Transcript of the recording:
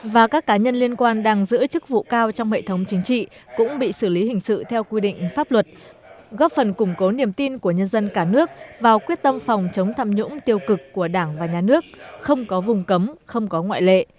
và các cá nhân liên quan đang giữ chức vụ cao trong hệ thống chính trị cũng bị xử lý hình sự theo quy định pháp luật góp phần củng cố niềm tin của nhân dân cả nước vào quyết tâm phòng chống tham nhũng tiêu cực của đảng và nhà nước không có vùng cấm không có ngoại lệ